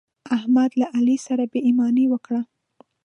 احمد له علي سره بې ايماني وکړه.